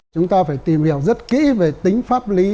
chúng ta phải tìm hiểu rất kỹ về tính pháp lý